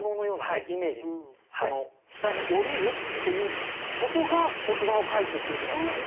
この下に下りるっていうことが骨盤をかえすって意味だったんだと。